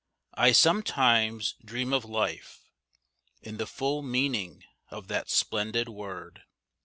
I sometimes dream of Life In the full meaning of that splendid word.